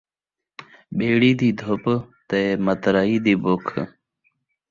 بیڑی دی دُھپ تے مَترائی دی بُکھ